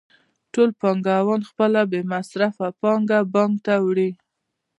ټول پانګوال خپله بې مصرفه پانګه بانک ته وړي